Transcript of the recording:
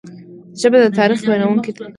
ژبه د تاریخ ویونکي ده